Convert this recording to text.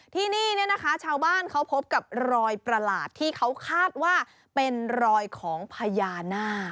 ที่นี่เนี่ยนะคะชาวบ้านเขาพบกับรอยประหลาดที่เขาคาดว่าเป็นรอยของพญานาค